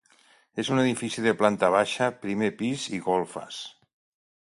És un edifici de planta baixa, primer pis i golfes.